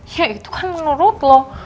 ya itu kan menurut lo